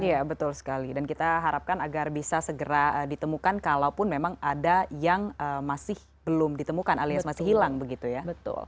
iya betul sekali dan kita harapkan agar bisa segera ditemukan kalaupun memang ada yang masih belum ditemukan alias masih hilang begitu ya